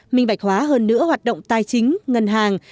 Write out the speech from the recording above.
minh bạch hóa hơn nữa hoạt động tài chính ngân hàng